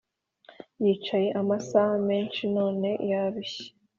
yicaye amasaha menshi none yarushye